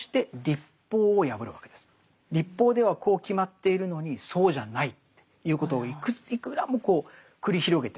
律法ではこう決まっているのにそうじゃないっていうことをいくらも繰り広げてきました。